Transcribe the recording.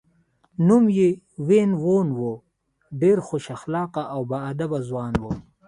نوم یې وین وون و، ډېر خوش اخلاقه او با ادبه ځوان و.